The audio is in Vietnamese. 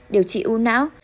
điều trị u não